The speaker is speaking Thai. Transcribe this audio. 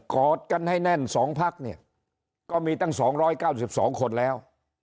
กอดกันให้แน่น๒พักเนี่ยก็มีตั้ง๒๙๒คนแล้ว